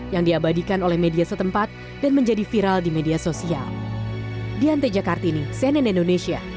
yang diabadikan oleh media setempat dan menjadi viral di media sosial